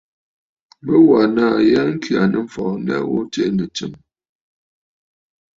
Bɨ wa nàà ya ŋkyà nɨ̂mfɔɔ nya ghu tsiʼì nɨ̀tsɨ̀mə̀.